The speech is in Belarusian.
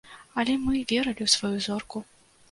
Але мы верылі ў сваю зорку.